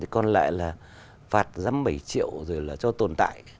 còn lại là phạt giấm bảy triệu rồi là cho tồn tại